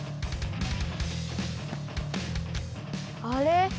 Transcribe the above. あれ？